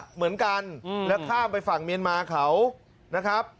เหมือนกันแล้วข้ามไปฝั่งเมียนมาเขานะครับ